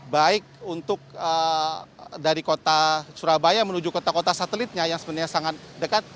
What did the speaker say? baik untuk dari kota surabaya menuju kota kota satelitnya yang sebenarnya sangat dekat